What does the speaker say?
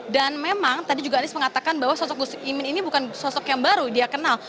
dan memang tadi juga anies mengatakan bahwa sosok gus mohemmin ini bukan sosok yang baru dia kenal